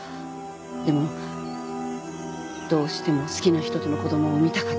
でもどうしても好きな人との子供を産みたかった。